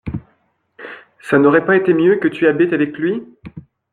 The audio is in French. Ça n’aurait pas été mieux que tu habites avec lui?